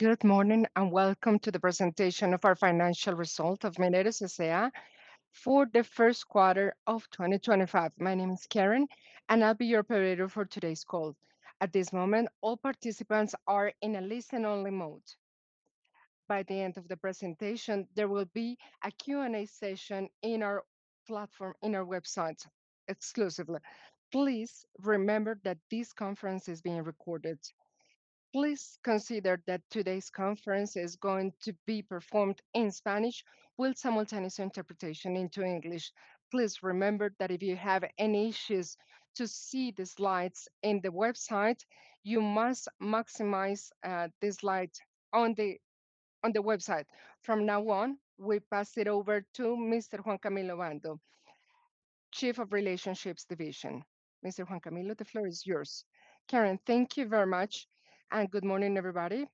Good morning and welcome to the presentation of our financial result of Mineros S.A. for the first quarter of 2025. My name is Karen, and I'll be your moderator for today's call. At this moment, all participants are in a listen-only mode. By the end of the presentation, there will be a Q&A session on our platform, on our website, exclusively. Please remember that this conference is being recorded. Please consider that today's conference is going to be performed in Spanish with simultaneous interpretation into English. Please remember that if you have any issues to see the slides on the website, you must maximize the slides on the website. From now on, we pass it over to Mr. Juan Camilo Obando, Chief of Relationships Division. Mr. Juan Camilo, the floor is yours. Karen, thank you very much, and good morning, everybody.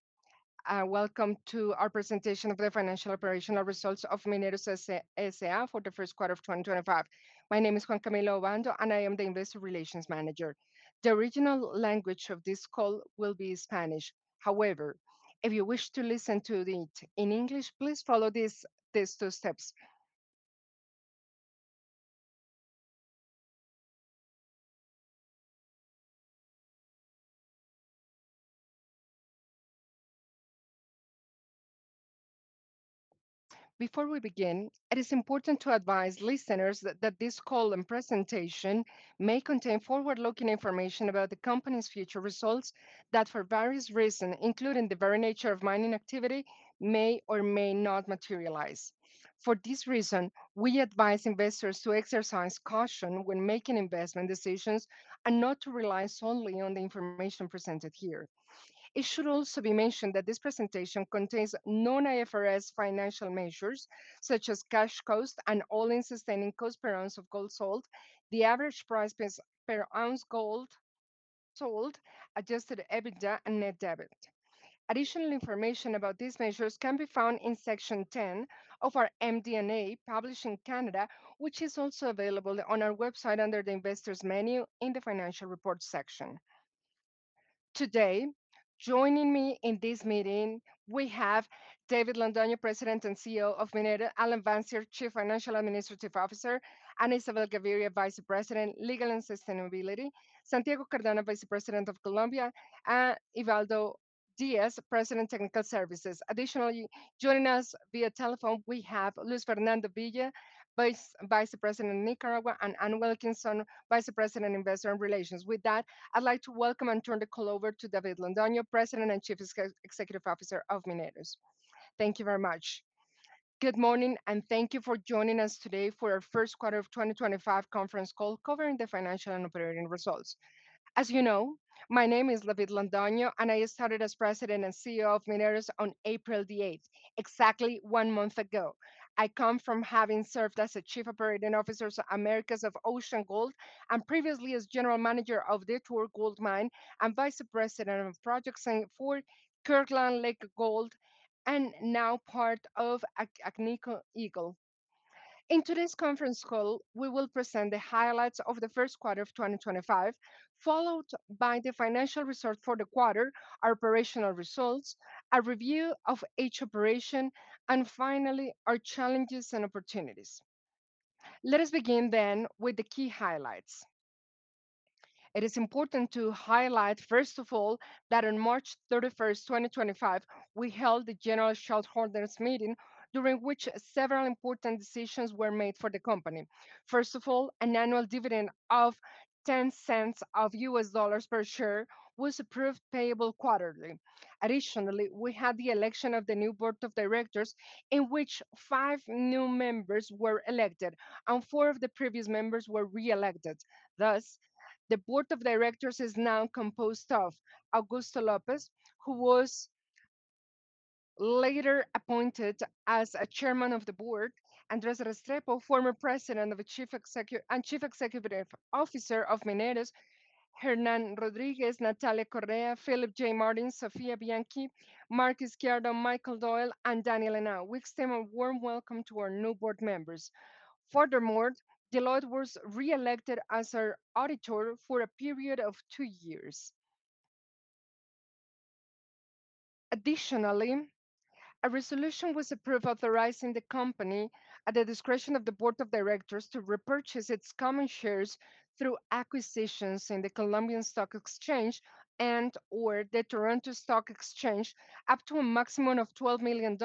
Welcome to our presentation of the financial operational results of Mineros S.A. for the first quarter of 2025. My name is Juan Camilo Obando, and I am the Investor Relations Manager. The original language of this call will be Spanish. However, if you wish to listen to it in English, please follow these two steps. Before we begin, it is important to advise listeners that this call and presentation may contain forward-looking information about the company's future results that, for various reasons, including the very nature of mining activity, may or may not materialize. For this reason, we advise investors to exercise caution when making investment decisions and not to rely solely on the information presented here. It should also be mentioned that this presentation contains non-IFRS financial measures, such as cash cost and all-in sustaining cost per ounce of gold sold, the average price per ounce of gold sold, adjusted EBITDA, and net debt. Additional information about these measures can be found in Section 10 of our MD&A published in Canada, which is also available on our website under the Investors menu in the Financial Reports section. Today, joining me in this meeting, we have David Londoño, President and CEO of Mineros, Alan Wancier, Chief Financial and Administrative Officer, Ana Isabel Gaviria, Vice President, Legal and Sustainability, Santiago Cardona, Vice President of Colombia, and Ubaldo Díaz, Vice President, Technical Services. Additionally, joining us via telephone, we have Luis Fernando Villa, Vice President, Nicaragua, and Ann Wilkinson, Vice President, Investor Relations. With that, I'd like to welcome and turn the call over to David Londoño, President and Chief Executive Officer of Mineros. Thank you very much. Good morning, and thank you for joining us today for our first quarter of 2025 conference call covering the financial and operating results. As you know, my name is David Londoño, and I started as President and CEO of Mineros on April the 8th, exactly one month ago. I come from having served as a Chief Operating Officer of Americas of OceanaGold and previously as General Manager of Detour Gold Mine and Vice President of Projects for Kirkland Lake Gold and now part of Agnico Eagle. In today's conference call, we will present the highlights of the first quarter of 2025, followed by the financial results for the quarter, our operational results, a review of each operation, and finally, our challenges and opportunities. Let us begin then with the key highlights. It is important to highlight, first of all, that on March 31st, 2025, we held the General Shareholders' Meeting, during which several important decisions were made for the company. First of all, an annual dividend of $0.10 USD per share was approved, payable quarterly. Additionally, we had the election of the new Board of Directors, in which five new members were elected, and four of the previous members were re-elected. Thus, the Board of Directors is now composed of Augusto López, who was later appointed as Chairman of the Board, Andrés Restrepo, former President and Chief Executive Officer of Mineros, Hernán Rodríguez, Natalia Correa, Philip J. Martin, Sofía Bianchi, Markus Gerdau, Michael Doyle, and Daniel Henao. We extend a warm welcome to our new board members. Furthermore, Deloitte was re-elected as our auditor for a period of two years. Additionally, a resolution was approved authorizing the company, at the discretion of the Board of Directors, to repurchase its common shares through acquisitions in the Colombian Stock Exchange and/or the Toronto Stock Exchange up to a maximum of $12 million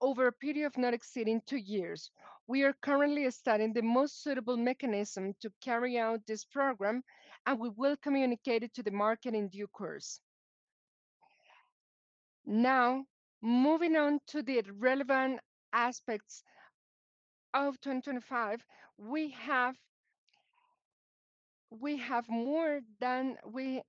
over a period of not exceeding two years. We are currently studying the most suitable mechanism to carry out this program, and we will communicate it to the market in due course. Now, moving on to the relevant aspects of 2025, we have more. Then we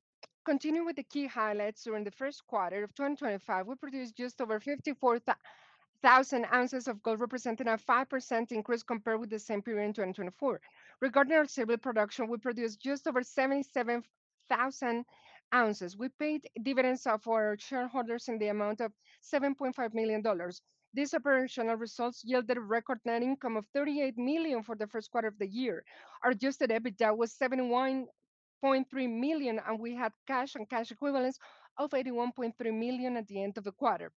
continue with the key highlights. During the first quarter of 2025, we produced just over 54,000 ounces of gold, representing a 5% increase compared with the same period in 2024. Regarding our silver production, we produced just over 77,000 ounces. We paid dividends to our shareholders in the amount of $7.5 million. These operational results yielded a record net income of $38 million for the first quarter of the year. Our adjusted EBITDA was $71.3 million, and we had cash and cash equivalents of $81.3 million at the end of the quarter.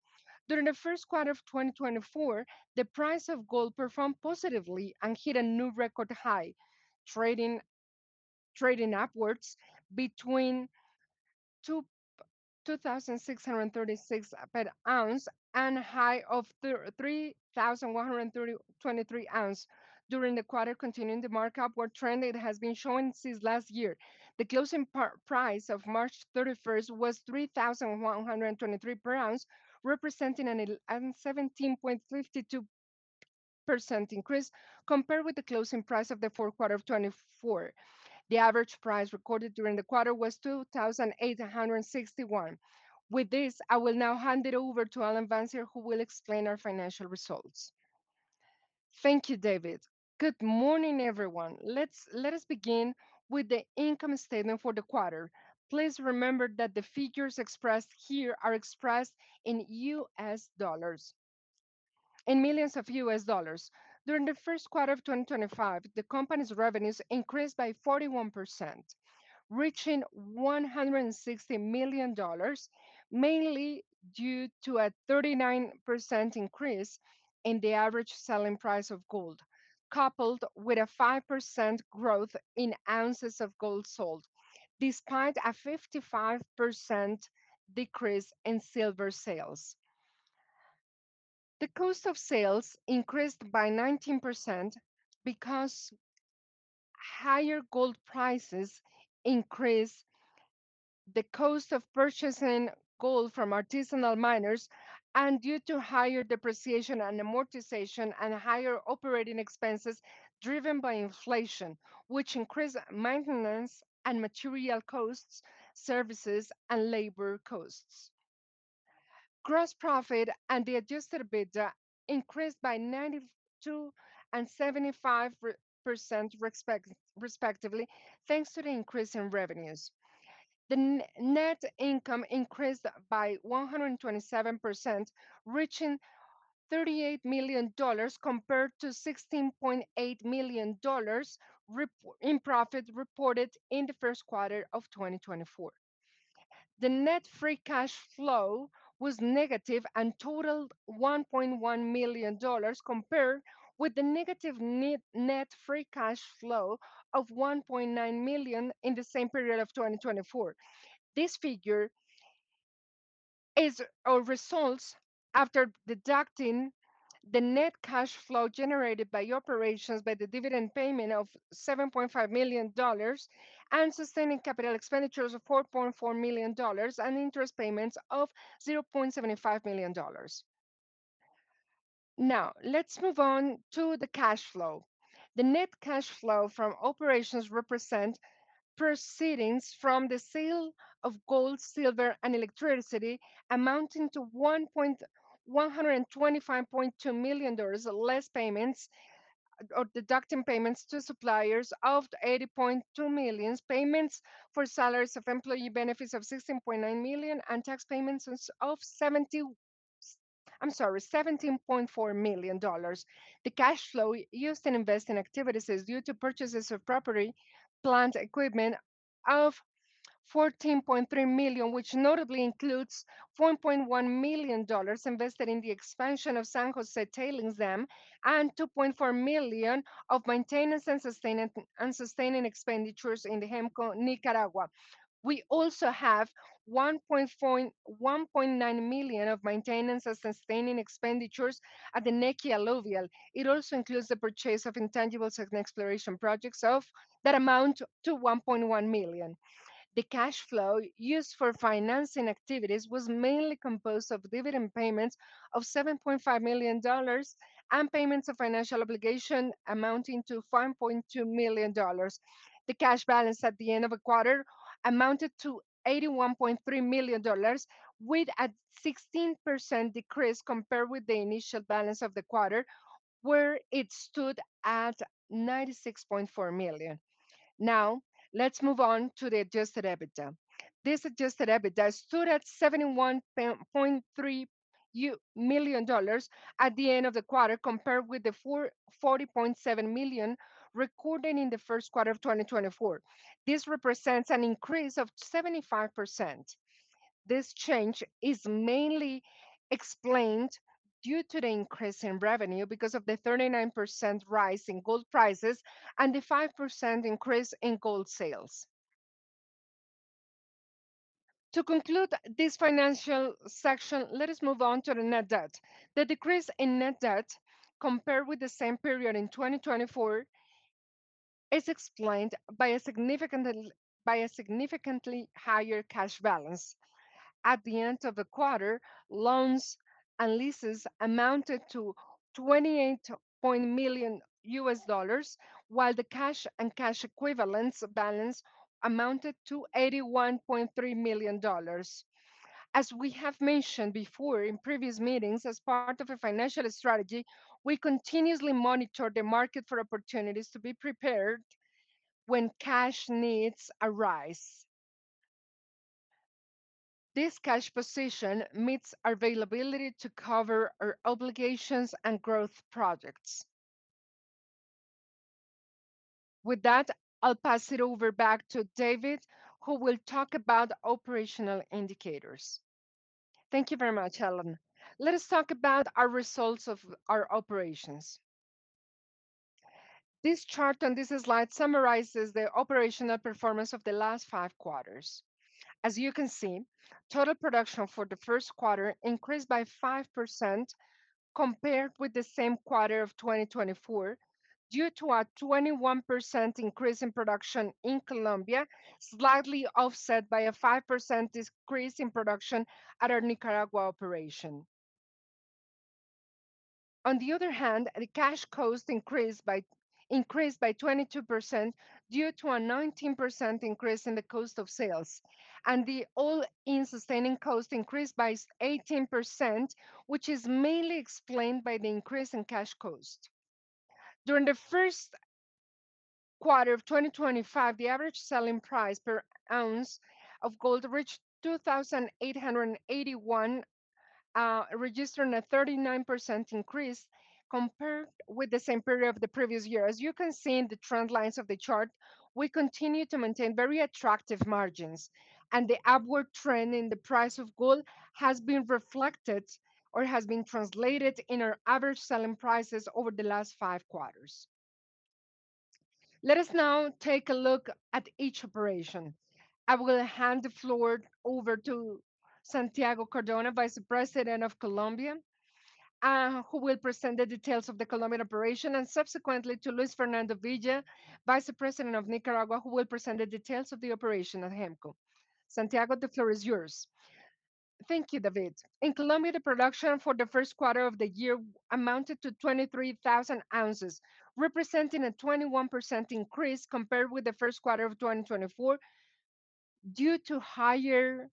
During the first quarter of 2024, the price of gold performed positively and hit a new record high, trading upwards between $2,636 per ounce and a high of $3,123 per ounce. During the quarter, continuing the marked upward trend it has been showing since last year. The closing price of March 31st was $3,123 per ounce, representing a 17.52% increase compared with the closing price of the fourth quarter of 2024. The average price recorded during the quarter was $2,861. With this, I will now hand it over to Alan Wancier, who will explain our financial results. Thank you, David. Good morning, everyone. Let us begin with the income statement for the quarter. Please remember that the figures expressed here are expressed in US dollars, in millions of US dollars. During the first quarter of 2025, the company's revenues increased by 41%, reaching $160 million, mainly due to a 39% increase in the average selling price of gold, coupled with a 5% growth in ounces of gold sold, despite a 55% decrease in silver sales. The cost of sales increased by 19% because higher gold prices increased the cost of purchasing gold from artisanal miners, and due to higher depreciation and amortization and higher operating expenses driven by inflation, which increased maintenance and material costs, services, and labor costs. Gross profit and the Adjusted EBITDA increased by 92% and 75%, respectively, thanks to the increase in revenues. The net income increased by 127%, reaching $38 million compared to $16.8 million in profit reported in the first quarter of 2024. The Net Free Cash Flow was negative and totaled $1.1 million compared with the negative Net Free Cash Flow of $1.9 million in the same period of 2024. This figure is our results after deducting the net cash flow generated by operations by the dividend payment of $7.5 million and sustaining capital expenditures of $4.4 million and interest payments of $0.75 million. Now, let's move on to the cash flow. The net cash flow from operations represents proceeds from the sale of gold, silver, and electricity amounting to $125.2 million less payments or deducting payments to suppliers of $80.2 million, payments for salaries and employee benefits of $16.9 million, and tax payments of $17.4 million. The cash flow used in investing activities is due to purchases of property, plant equipment of $14.3 million, which notably includes $1.1 million invested in the expansion of San José Tailings Zone and $2.4 million of maintenance and sustaining expenditures in the Hemco, Nicaragua. We also have $1.9 million of maintenance and sustaining expenditures at the Nechí alluvial. It also includes the purchase of intangibles and exploration projects of that amount to $1.1 million. The cash flow used for financing activities was mainly composed of dividend payments of $7.5 million and payments of financial obligation amounting to $5.2 million. The cash balance at the end of the quarter amounted to $81.3 million, with a 16% decrease compared with the initial balance of the quarter, where it stood at $96.4 million. Now, let's move on to the Adjusted EBITDA. This Adjusted EBITDA stood at $71.3 million at the end of the quarter compared with the $40.7 million recorded in the first quarter of 2024. This represents an increase of 75%. This change is mainly explained due to the increase in revenue because of the 39% rise in gold prices and the 5% increase in gold sales. To conclude this financial section, let us move on to the net debt. The decrease in net debt compared with the same period in 2024 is explained by a significantly higher cash balance. At the end of the quarter, loans and leases amounted to $28.1 million U.S. dollars, while the cash and cash equivalents balance amounted to $81.3 million. As we have mentioned before in previous meetings, as part of a financial strategy, we continuously monitor the market for opportunities to be prepared when cash needs arise. This cash position meets our availability to cover our obligations and growth projects. With that, I'll pass it over back to David, who will talk about operational indicators. Thank you very much, Alan. Let us talk about our results of our operations. This chart on this slide summarizes the operational performance of the last five quarters. As you can see, total production for the first quarter increased by 5% compared with the same quarter of 2024 due to a 21% increase in production in Colombia, slightly offset by a 5% decrease in production at our Nicaragua operation. On the other hand, the cash cost increased by 22% due to a 19% increase in the cost of sales, and the all-in sustaining cost increased by 18%, which is mainly explained by the increase in cash cost. During the first quarter of 2025, the average selling price per ounce of gold reached $2,881, registering a 39% increase compared with the same period of the previous year. As you can see in the trend lines of the chart, we continue to maintain very attractive margins, and the upward trend in the price of gold has been reflected or has been translated in our average selling prices over the last five quarters. Let us now take a look at each operation. I will hand the floor over to Santiago Cardona, Vice President of Colombia, who will present the details of the Colombian operation, and subsequently to Luis Fernando Villa, Vice President of Nicaragua, who will present the details of the operation at HEMCO. Santiago, the floor is yours. Thank you, David. In Colombia, the production for the first quarter of the year amounted to 23,000 ounces, representing a 21% increase compared with the first quarter of 2024 due to higher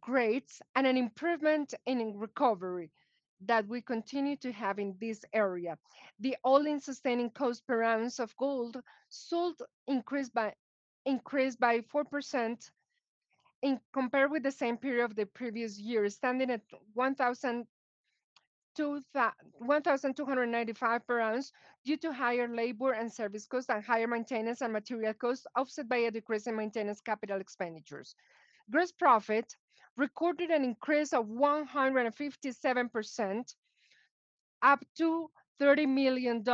grades and an improvement in recovery that we continue to have in this area. The all-in sustaining cost per ounce of gold sold increased by 4% compared with the same period of the previous year, standing at $1,295 per ounce due to higher labor and service costs and higher maintenance and material costs, offset by a decrease in maintenance capital expenditures. Gross profit recorded an increase of 157%, up to $30 million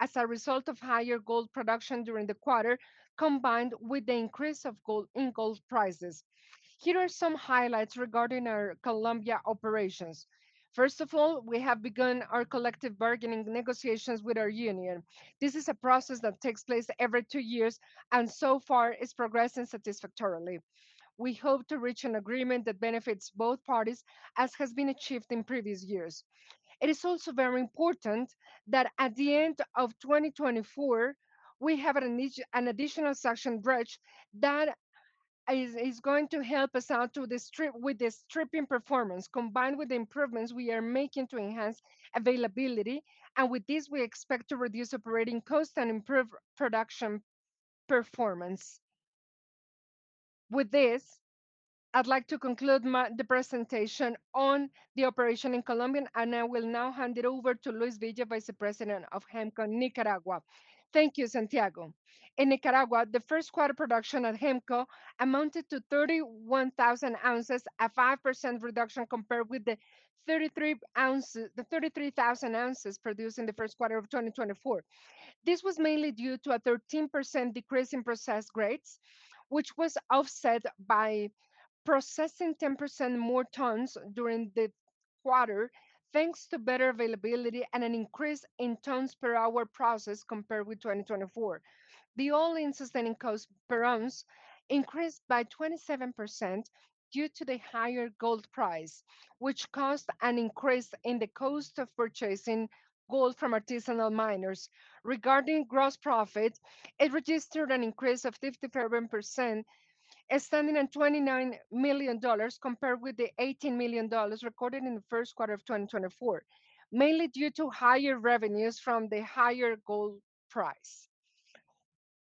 as a result of higher gold production during the quarter, combined with the increase in gold prices. Here are some highlights regarding our Colombia operations. First of all, we have begun our collective bargaining negotiations with our union. This is a process that takes place every two years and so far is progressing satisfactorily. We hope to reach an agreement that benefits both parties, as has been achieved in previous years. It is also very important that at the end of 2024, we have an additional suction dredge that is going to help us out with the stripping performance, combined with the improvements we are making to enhance availability, and with this, we expect to reduce operating costs and improve production performance. With this, I'd like to conclude the presentation on the operation in Colombia, and I will now hand it over to Luis Villa, Vice President of Hemco, Nicaragua. Thank you, Santiago. In Nicaragua, the first quarter production at Hemco amounted to 31,000 ounces, a 5% reduction compared with the 33,000 ounces produced in the first quarter of 2024. This was mainly due to a 13% decrease in processed grades, which was offset by processing 10% more tons during the quarter, thanks to better availability and an increase in tons per hour process compared with 2024. The All-in Sustaining Cost per ounce increased by 27% due to the higher gold price, which caused an increase in the cost of purchasing gold from artisanal miners. Regarding gross profit, it registered an increase of 57%, standing at $29 million compared with the $18 million recorded in the first quarter of 2024, mainly due to higher revenues from the higher gold price.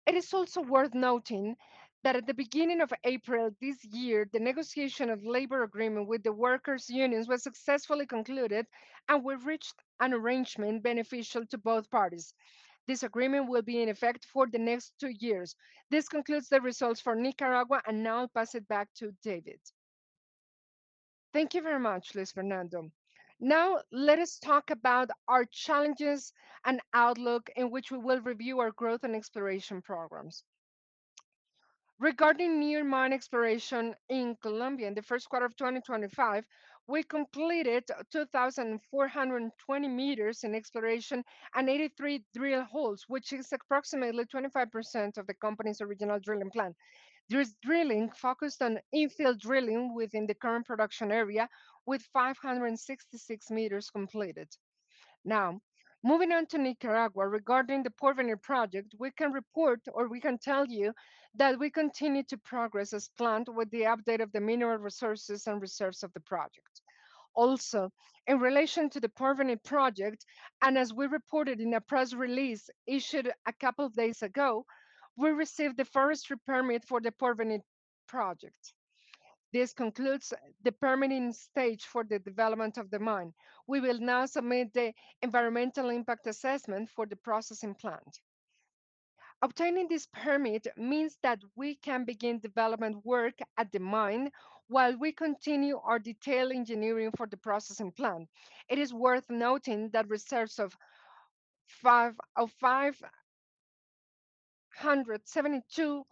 It is also worth noting that at the beginning of April this year, the negotiation of labor agreement with the workers' unions was successfully concluded and we reached an arrangement beneficial to both parties. This agreement will be in effect for the next two years. This concludes the results for Nicaragua and now I'll pass it back to David. Thank you very much, Luis Fernando. Now, let us talk about our challenges and outlook in which we will review our growth and exploration programs. Regarding near mine exploration in Colombia in the first quarter of 2025, we completed 2,420 meters in exploration and 83 drill holes, which is approximately 25% of the company's original drilling plan. There is drilling focused on infill drilling within the current production area, with 566 meters completed. Now, moving on to Nicaragua, regarding the Porvenir project, we can report or we can tell you that we continue to progress as planned with the update of the mineral resources and reserves of the project. Also, in relation to the Porvenir project, and as we reported in a press release issued a couple of days ago, we received the forestry permit for the Porvenir project. This concludes the permitting stage for the development of the mine. We will now submit the environmental impact assessment for the processing plant. Obtaining this permit means that we can begin development work at the mine while we continue our detailed engineering for the processing plant. It is worth noting that reserves of 572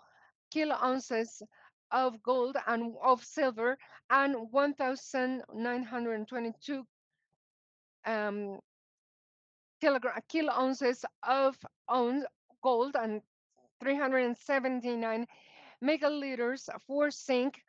kilo ounces of gold and of silver and 1,922 kilo ounces of gold and 379 thousand tonnes of zinc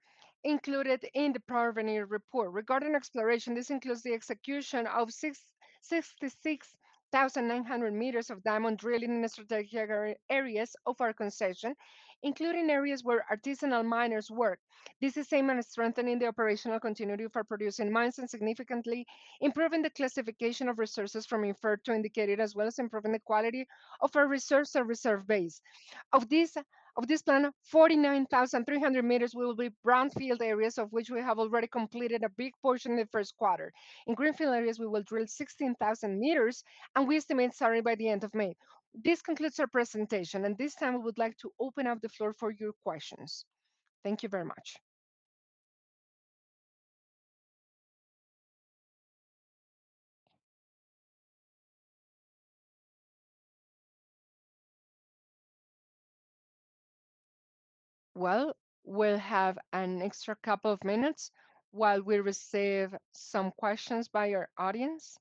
included in the Porvenir report. Regarding exploration, this includes the execution of 66,900 meters of diamond drilling in the strategic areas of our concession, including areas where artisanal miners work. This is aimed at strengthening the operational continuity of our producing mines and significantly improving the classification of resources from inferred to indicated, as well as improving the quality of our reserves and reserve base. Of this plan, 49,300 meters will be brownfield areas of which we have already completed a big portion in the first quarter. In greenfield areas, we will drill 16,000 meters, and we estimate starting by the end of May. This concludes our presentation, and this time we would like to open up the floor for your questions. Thank you very much. Well, we'll have an extra couple of minutes while we receive some questions by our audience.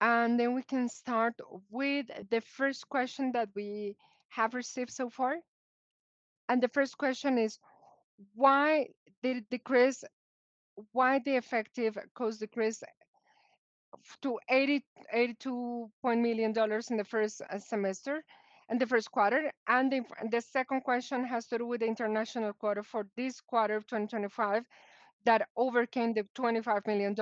And then we can start with the first question that we have received so far. And the first question is, why did the effective cost decrease to $82.1 million in the first semester and the first quarter? The second question has to do with the first quarter of 2025 of over $25 million.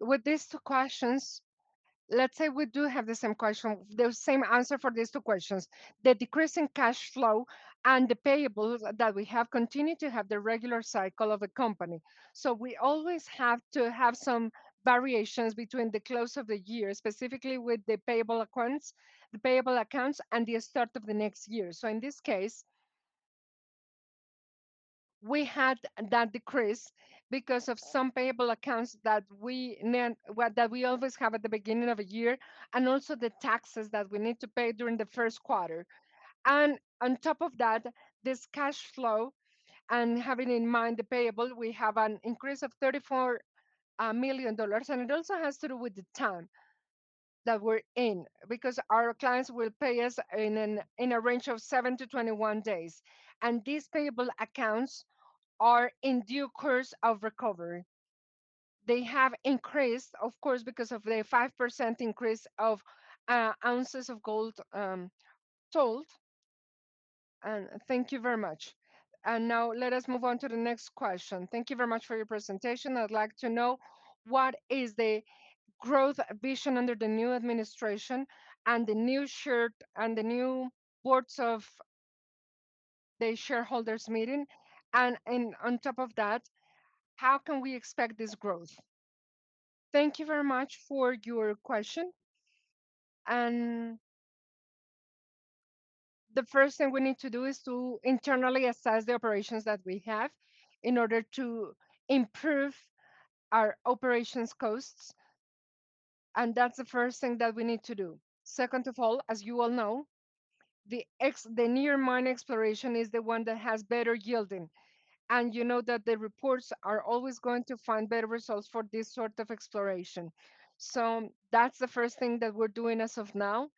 With these two questions, let's say we do have the same question, the same answer for these two questions. The decreasing cash flow and the payables that we have continue to have the regular cycle of the company. We always have to have some variations between the close of the year, specifically with the payable accounts, the payable accounts and the start of the next year. In this case, we had that decrease because of some payable accounts that we always have at the beginning of the year and also the taxes that we need to pay during the first quarter. On top of that, this cash flow and having in mind the payable, we have an increase of $34 million. It also has to do with the time that we're in because our clients will pay us in a range of 7 to 21 days. And these payable accounts are in due course of recovery. They have increased, of course, because of the 5% increase of ounces of gold sold. And thank you very much. And now let us move on to the next question. Thank you very much for your presentation. I'd like to know what is the growth vision under the new administration and the new boards of the shareholders meeting. And on top of that, how can we expect this growth? Thank you very much for your question. And the first thing we need to do is to internally assess the operations that we have in order to improve our operations costs. And that's the first thing that we need to do. Second of all, as you all know, the near mine exploration is the one that has better yielding. And you know that the reports are always going to find better results for this sort of exploration. So that's the first thing that we're doing as of now.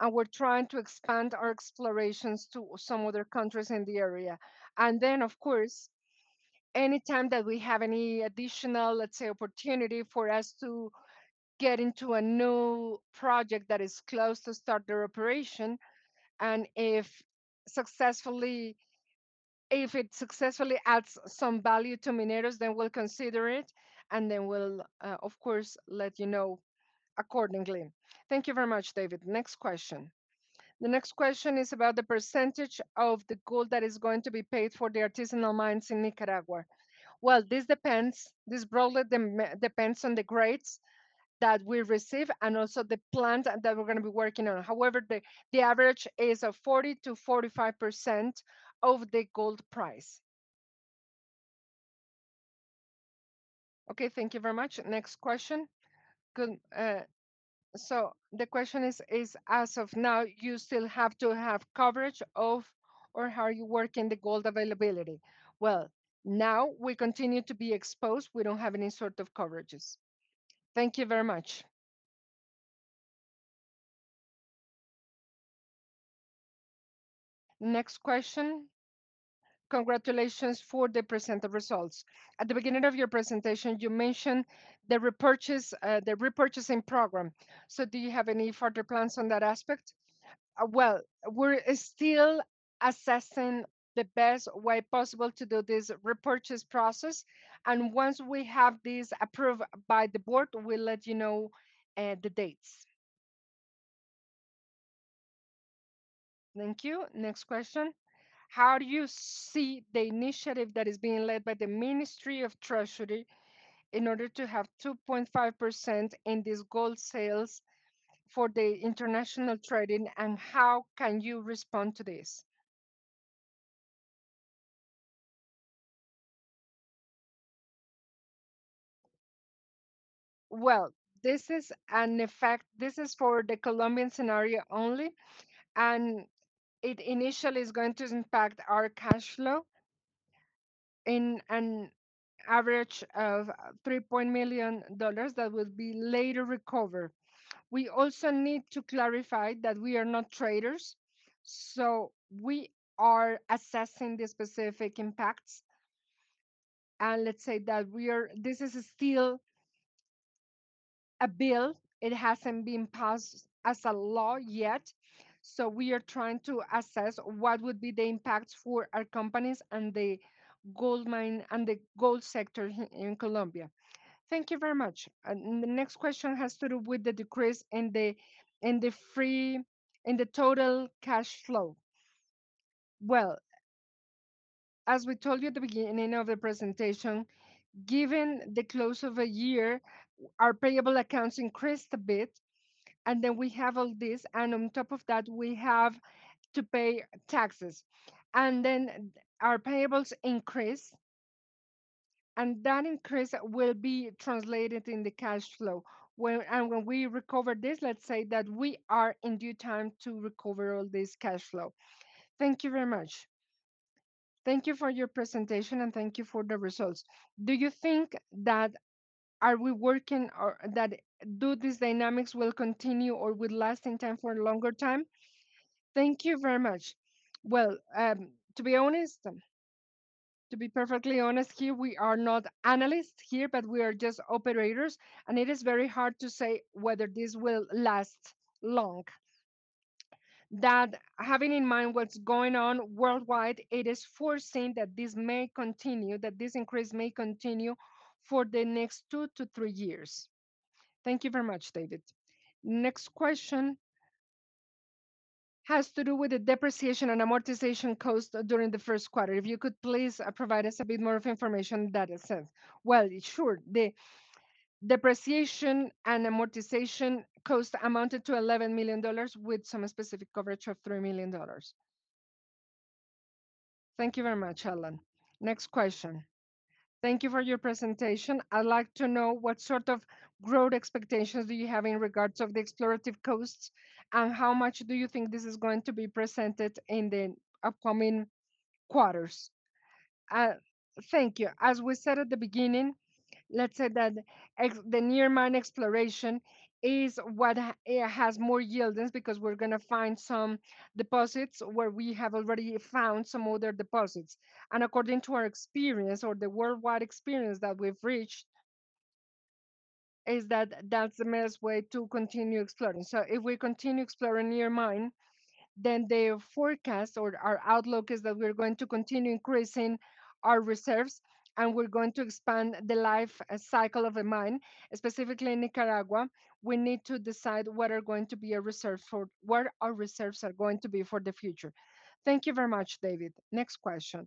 And we're trying to expand our explorations to some other countries in the area. And then, of course, anytime that we have any additional, let's say, opportunity for us to get into a new project that is close to start their operation. And if it successfully adds some value to Mineros, then we'll consider it. And then we'll, of course, let you know accordingly. Thank you very much, David. Next question. The next question is about the percentage of the gold that is going to be paid for the artisanal mines in Nicaragua. This broadly depends on the grades that we receive and also the plant that we're going to be working on. However, the average is of 40%-45% of the gold price. Okay, thank you very much. Next question. The question is, as of now, you still have to have coverage of, or how are you working the gold availability? Now we continue to be exposed. We don't have any sort of coverages. Thank you very much. Next question. Congratulations for the presented results. At the beginning of your presentation, you mentioned the repurchasing program. Do you have any further plans on that aspect? We're still assessing the best way possible to do this repurchase process. Once we have this approved by the board, we'll let you know the dates. Thank you. Next question. How do you see the initiative that is being led by the Ministry of Finance and Public Credit in order to have 2.5% in these gold sales for the international trading? And how can you respond to this? This is an effect. This is for the Colombian scenario only. It initially is going to impact our cash flow in an average of $3 million that will be later recovered. We also need to clarify that we are not traders. We are assessing the specific impacts. Let's say that this is still a bill. It hasn't been passed as a law yet. We are trying to assess what would be the impacts for our companies and the gold mine and the gold sector in Colombia. Thank you very much. The next question has to do with the decrease in the total cash flow. As we told you at the beginning of the presentation, given the close of a year, our payable accounts increased a bit. And then we have all this. And on top of that, we have to pay taxes. And then our payables increase. And that increase will be translated in the cash flow. And when we recover this, let's say that we are in due time to recover all this cash flow. Thank you very much. Thank you for your presentation and thank you for the results. Do you think that are we working or that these dynamics will continue or will last in time for a longer time? Thank you very much. To be honest, to be perfectly honest, here we are not analysts here, but we are just operators. And it is very hard to say whether this will last long. That having in mind what's going on worldwide, it is foreseen that this may continue, that this increase may continue for the next two to three years. Thank you very much, David. Next question has to do with the depreciation and amortization cost during the first quarter. If you could please provide us a bit more information on that. Well, sure. The depreciation and amortization cost amounted to $11 million with some specific coverage of $3 million. Thank you very much, Alan. Next question. Thank you for your presentation. I'd like to know what sort of growth expectations do you have in regards to the exploration costs and how much do you think this is going to be presented in the upcoming quarters? Thank you. As we said at the beginning, let's say that the near mine exploration is what has more yieldings because we're going to find some deposits where we have already found some other deposits, and according to our experience or the worldwide experience that we've reached, is that that's the best way to continue exploring, so if we continue exploring near mine, then the forecast or our outlook is that we're going to continue increasing our reserves and we're going to expand the life cycle of the mine, specifically in Nicaragua. We need to decide what are going to be our reserves for where our reserves are going to be for the future. Thank you very much, David. Next question,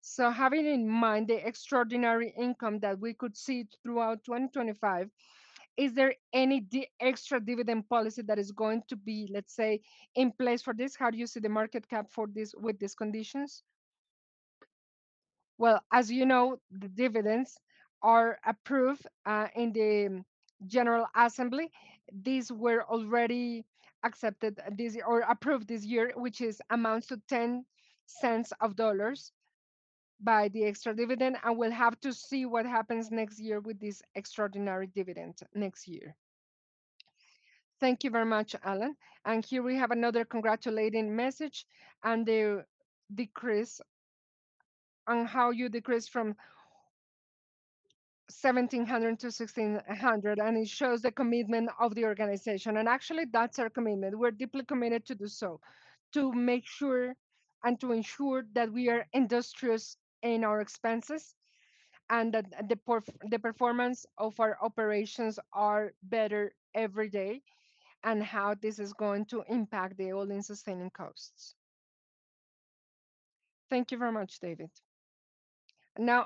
so having in mind the extraordinary income that we could see throughout 2025, is there any extra dividend policy that is going to be, let's say, in place for this? How do you see the market cap for this with these conditions? Well, as you know, the dividends are approved in the General Assembly. These were already accepted or approved this year, which amounts to $0.10 by the extra dividend. And we'll have to see what happens next year with this extraordinary dividend next year. Thank you very much, Alan. And here we have another congratulating message and the decrease on how you decrease from 1,700 to 1,600. And it shows the commitment of the organization. And actually, that's our commitment. We're deeply committed to do so, to make sure and to ensure that we are industrious in our expenses and that the performance of our operations are better every day and how this is going to impact the all-in sustaining costs. Thank you very much, David. Now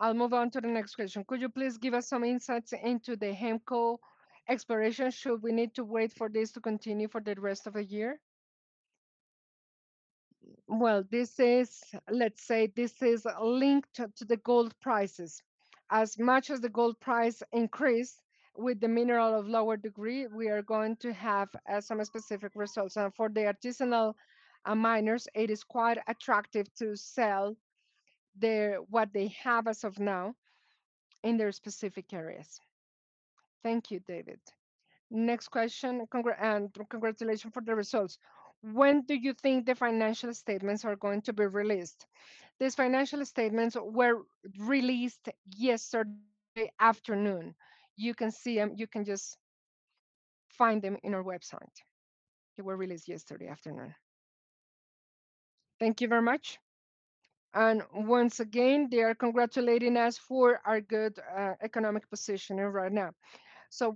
I'll move on to the next question. Could you please give us some insights into the Hemco exploration? Should we need to wait for this to continue for the rest of the year? Let's say this is linked to the gold prices. As much as the gold price increased with the mineral of lower degree, we are going to have some specific results. For the artisanal miners, it is quite attractive to sell what they have as of now in their specific areas. Thank you, David. Next question, and congratulations for the results. When do you think the financial statements are going to be released? These financial statements were released yesterday afternoon. You can see them. You can just find them in our website. They were released yesterday afternoon. Thank you very much. Once again, they are congratulating us for our good economic position right now.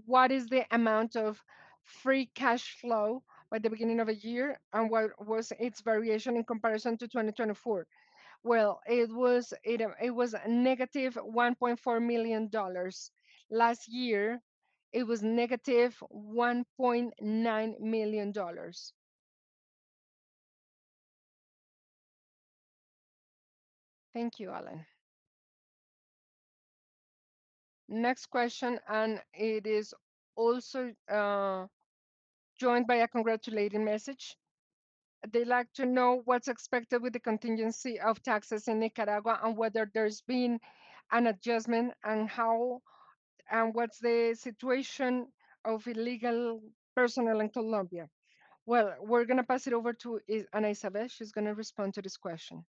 What is the amount of free cash flow by the beginning of the year? And what was its variation in comparison to 2024? Well, it was a negative $1.4 million last year. It was negative $1.9 million. Thank you, Alan. Next question, and it is also joined by a congratulating message. They'd like to know what's expected with the contingency of taxes in Nicaragua and whether there's been an adjustment and what's the situation of illegal personnel in Colombia. Well, we're going to pass it over to Ana Isabel. She's going to respond to this question.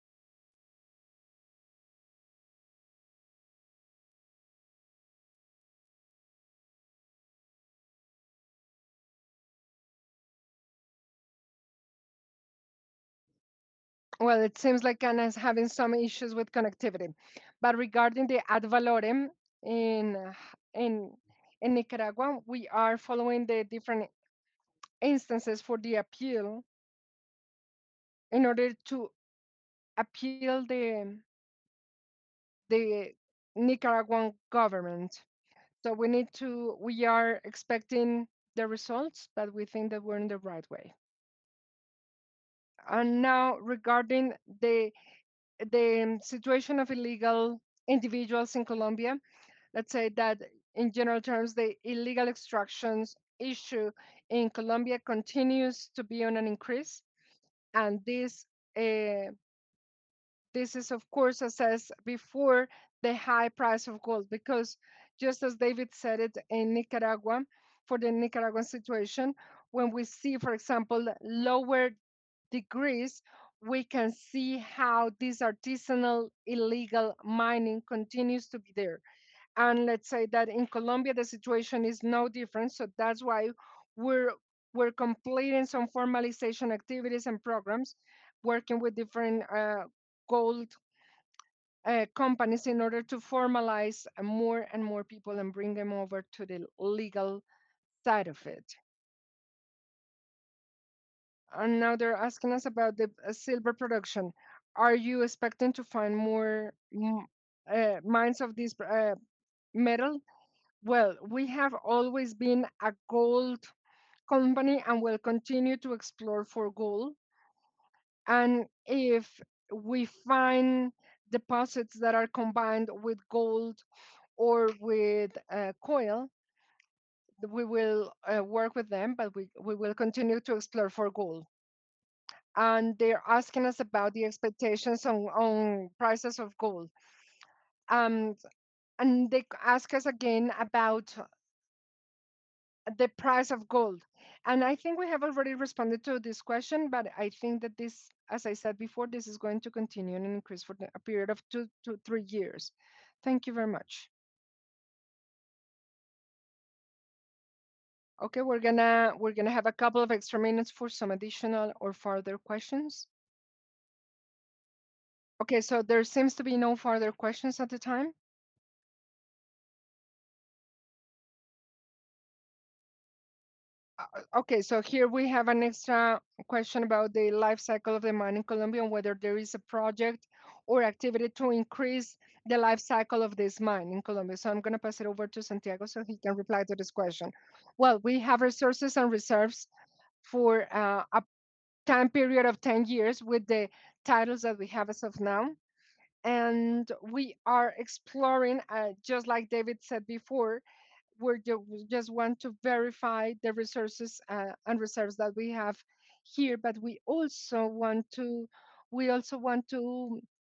Well, it seems like Ana is having some issues with connectivity. But regarding the Ad Valorem in Nicaragua, we are following the different instances for the appeal in order to appeal the Nicaraguan government. So we are expecting the results, but we think that we're in the right way. Now regarding the situation of illegal individuals in Colombia, let's say that in general terms, the illegal extractions issue in Colombia continues to be on an increase. This is, of course, assessed before the high price of gold. Because just as David said it in Nicaragua, for the Nicaraguan situation, when we see, for example, lower degrees, we can see how this artisanal illegal mining continues to be there. Let's say that in Colombia, the situation is no different. That's why we're completing some formalization activities and programs working with different gold companies in order to formalize more and more people and bring them over to the legal side of it. Now they're asking us about the silver production. Are you expecting to find more mines of this metal? We have always been a gold company and will continue to explore for gold. And if we find deposits that are combined with gold or with coal, we will work with them, but we will continue to explore for gold. And they're asking us about the expectations on prices of gold. And they ask us again about the price of gold. And I think we have already responded to this question, but I think that this, as I said before, this is going to continue and increase for a period of two to three years. Thank you very much. We're going to have a couple of extra minutes for some additional or further questions. There seems to be no further questions at the time. Here we have an extra question about the life cycle of the mine in Colombia and whether there is a project or activity to increase the life cycle of this mine in Colombia. I'm going to pass it over to Santiago so he can reply to this question. We have resources and reserves for a time period of 10 years with the titles that we have as of now. We are exploring, just like David said before, we just want to verify the resources and reserves that we have here, but we also want to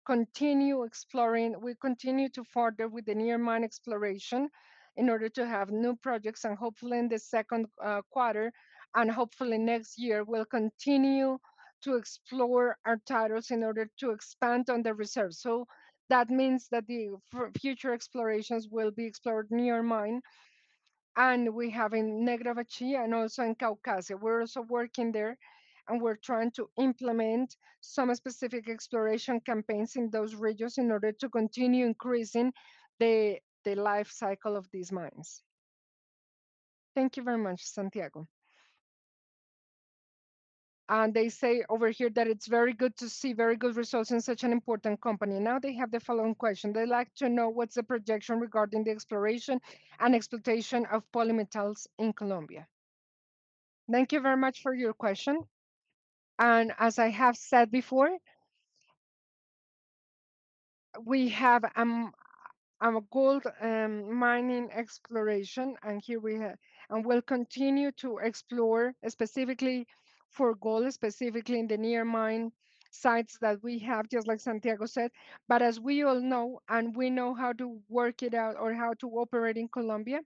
continue exploring. We continue to further with the near mine exploration in order to have new projects. Hopefully in the second quarter and hopefully next year, we'll continue to explore our titles in order to expand on the reserves. That means that the future explorations will be explored near mine. We have in Nechí and also in Caucasia. We're also working there and we're trying to implement some specific exploration campaigns in those regions in order to continue increasing the life cycle of these mines. Thank you very much, Santiago. And they say over here that it's very good to see very good results in such an important company. Now they have the following question. They'd like to know what's the projection regarding the exploration and exploitation of polymetals in Colombia. Thank you very much for your question. And as I have said before, we have a gold mining exploration and here we will continue to explore specifically for gold, specifically in the near mine sites that we have, just like Santiago said. But as we all know and we know how to work it out or how to operate in Colombia,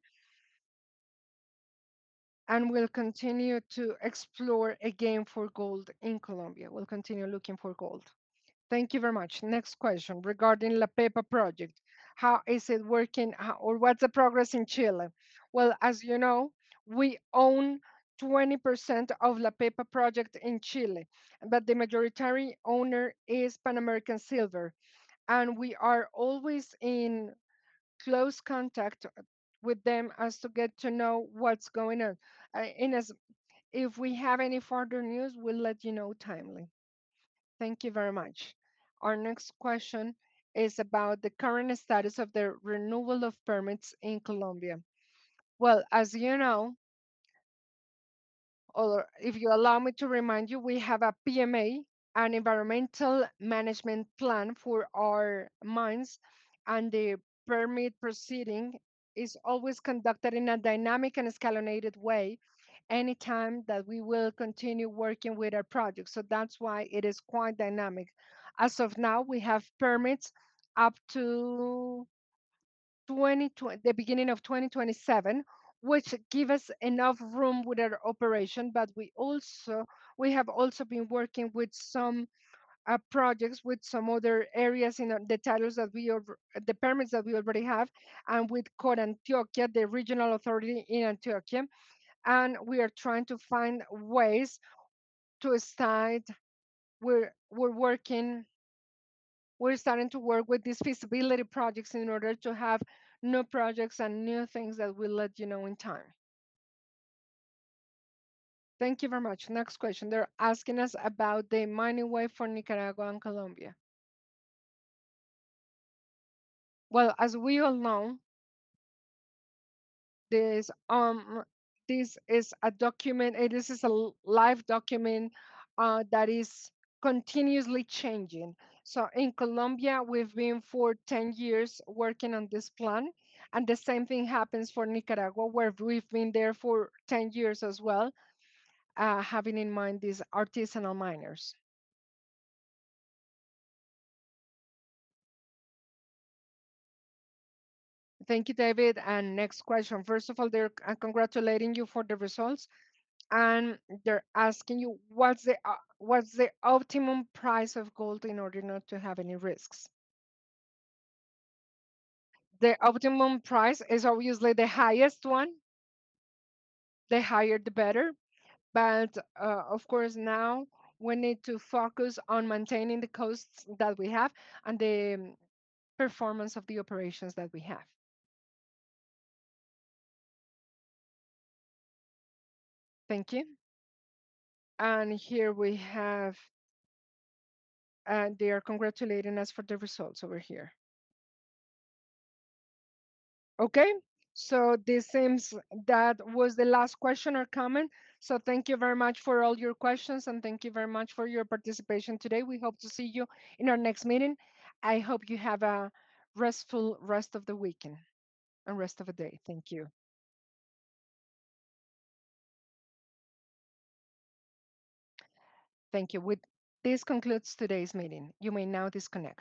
and we'll continue to explore again for gold in Colombia. We'll continue looking for gold. Thank you very much. Next question regarding La Pepa Project. How is it working or what's the progress in Chile? As you know, we own 20% of La Pepa Project in Chile, but the majority owner is Pan American Silver. And we are always in close contact with them as to get to know what's going on. If we have any further news, we'll let you know timely. Thank you very much. Our next question is about the current status of the renewal of permits in Colombia. As you know, or if you allow me to remind you, we have a PMA, an Environmental Management Plan for our mines, and the permit proceeding is always conducted in a dynamic and escalated way anytime that we will continue working with our projects, so that's why it is quite dynamic. As of now, we have permits up to the beginning of 2027, which gives us enough room with our operation. But we have also been working with some projects with some other areas in the titles that we have, the permits that we already have, and with Corantioquia, the regional authority in Antioquia. And we are trying to find ways to start. We're starting to work with these feasibility projects in order to have new projects and new things that we'll let you know in time. Thank you very much. Next question. They're asking us about the mining plan for Nicaragua and Colombia. Well, as we all know, this is a document. This is a live document that is continuously changing. So in Colombia, we've been for 10 years working on this plan. The same thing happens for Nicaragua, where we've been there for 10 years as well, having in mind these artisanal miners. Thank you, David. Next question. First of all, they're congratulating you for the results. They're asking you, what's the optimum price of gold in order not to have any risks? The optimum price is obviously the highest one. The higher, the better. Of course, now we need to focus on maintaining the costs that we have and the performance of the operations that we have. Thank you. Here we have, they are congratulating us for the results over here. Okay, so this seems that was the last question or comment. Thank you very much for all your questions and thank you very much for your participation today. We hope to see you in our next meeting. I hope you have a restful rest of the weekend and rest of the day. Thank you. Thank you. With this concludes today's meeting. You may now disconnect.